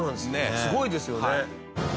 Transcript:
すごいですよね。